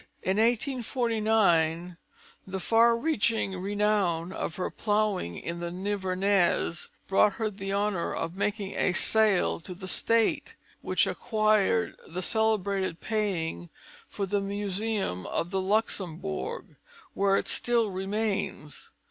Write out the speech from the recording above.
In 1849, the far reaching renown of her Ploughing in the Nivernais brought her the honour of making a sale to the State, which acquired the celebrated painting for the Museum of the Luxembourg, where it still remains.